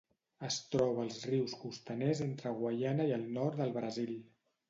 Es troba als rius costaners entre Guaiana i el nord del Brasil.